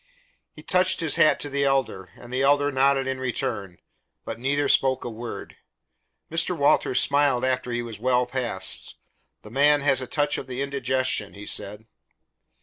He touched his hat to the Elder, and the Elder nodded in return, but neither spoke a word. Mr. Walters smiled after he was well past. "The man has a touch of the indigestion," he said.